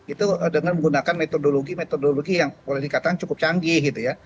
itu dengan menggunakan metodologi metodologi yang boleh dikatakan cukup canggih gitu ya